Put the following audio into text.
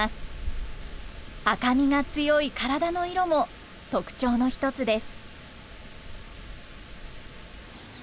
赤みが強い体の色も特徴の一つです。